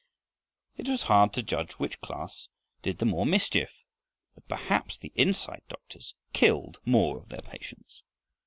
It was hard to judge which class did the more mischief, but perhaps the "inside doctors" killed more of their patients.